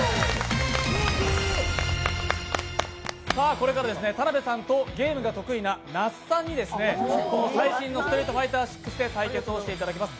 これから田辺さんとゲームが得意な那須さんに最新の「ストリートファイター６」で対戦していただきます。